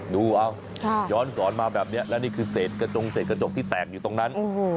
ดูเอาย้อนสอนมาแบบนี้และนี่คือเศษกระจงเศษกระจกที่แตกอยู่ตรงนั้น